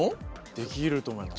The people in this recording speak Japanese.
できると思います。